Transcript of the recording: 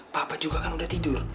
papa juga kan udah tidur